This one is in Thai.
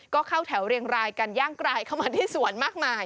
ก็เข้าแถวเรียงรายกันย่างกรายเข้ามาที่สวนมากมาย